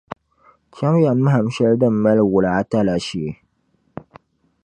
Cham ya mahim shɛli din mali wula ata la shee.